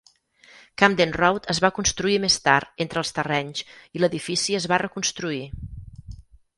Camden Road es va construir més tard entre els terrenys i l'edifici es va reconstruir.